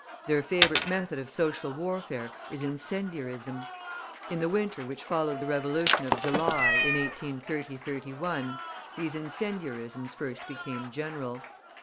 Their favourite method of social warfare is incendiarism. In the winter which followed the Revolution of July, in 1830 31, these incendiarisms first became general.